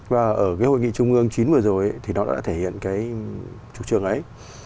và ở hội nghị trung ương chín vừa rồi thì nó đã thể hiện trục trường ấy